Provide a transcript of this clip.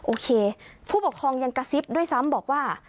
โอเคผู้ปกครองยังกระซิบด้วยซ้ำบอกว่า